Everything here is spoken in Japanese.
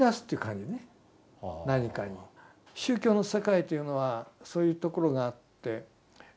宗教の世界というのはそういうところがあって。